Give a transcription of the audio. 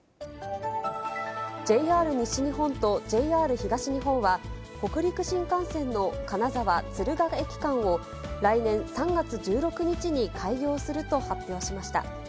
ＪＲ西日本とＪＲ東日本は、北陸新幹線の金沢・敦賀駅間を来年３月１６日に開業すると発表しました。